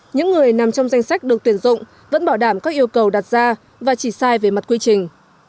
những người nằm trong danh sách được tuyển dụng vẫn bảo đảm các yêu cầu đặt ra và chỉ sai về mặt quy trình